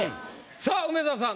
さあ梅沢さん